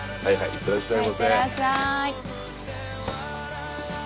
いってらっしゃい。